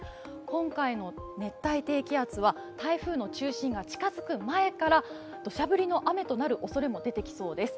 今回の熱帯低気圧は、台風の中心が近づく前からどしゃ降りの雨となるおそれも出てきそうです。